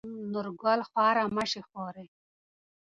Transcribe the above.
نورګل: خواره مه شې خورې.